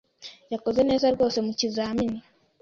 yakoze neza rwose mu kizamini.